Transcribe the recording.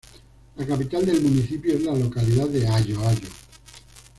La capital del municipio es la localidad de Ayo Ayo.